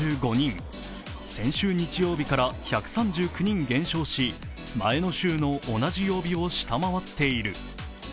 先週日曜日から１３９人減少し前の週の同じ曜日を下回っている。